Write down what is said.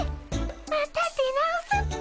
また出直すっピ。